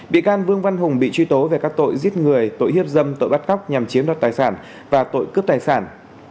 bị can vương văn hùng bị truy tố về các tội giết người tội hiếp dâm tội bắt cóc nhằm chiếm đoạt tài sản và tội cướp tài sản